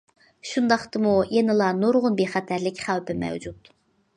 شۇنداقتىمۇ يەنىلا نۇرغۇن بىخەتەرلىك خەۋپى مەۋجۇت.